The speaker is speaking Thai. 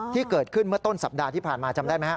ที่เกิดขึ้นเมื่อต้นสัปดาห์ที่ผ่านมาจำได้ไหมครับ